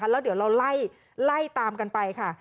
แล้วเดี๋ยวเราไล่ตามกันไปค่ะ